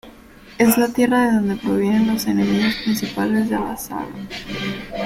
Es la tierra de donde provienen los enemigos principales de la saga.